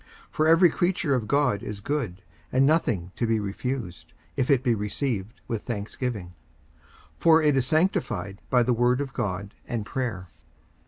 54:004:004 For every creature of God is good, and nothing to be refused, if it be received with thanksgiving: 54:004:005 For it is sanctified by the word of God and prayer.